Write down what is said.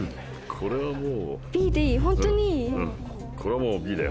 これはもう。